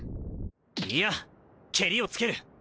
いいやケリをつける！